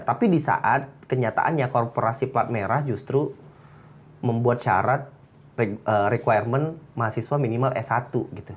tapi di saat kenyataannya korporasi plat merah justru membuat syarat requirement mahasiswa minimal s satu gitu